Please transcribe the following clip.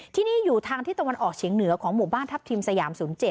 ที่นี่อยู่ทางที่ตะวันออกเฉียงเหนือของหมู่บ้านทัพทิมสยาม๐๗